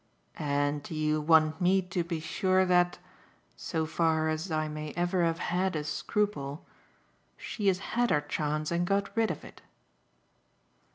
"And you want me to be sure that so far as I may ever have had a scruple she has had her chance and got rid of it."